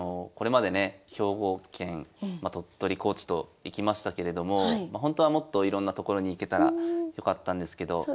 これまでね兵庫県鳥取高知と行きましたけれどもほんとはもっといろんな所に行けたらよかったんですけど。